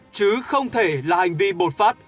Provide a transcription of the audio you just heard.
chứ không thể là hành vi bột phát